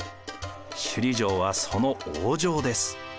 首里城はその王城です。